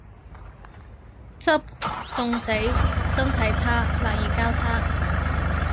執，凍死。身體差。冷熱交叉